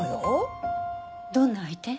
どんな相手？